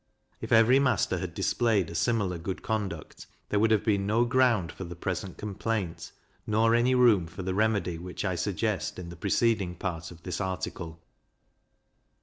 If every master had displayed a similar good conduct, there would have been no ground for the present complaint, nor any room for the remedy which I suggest in the preceding part of this article.